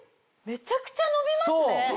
めちゃくちゃ伸びますね。